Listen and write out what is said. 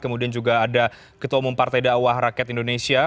kemudian juga ada ketua umum partai dakwah rakyat indonesia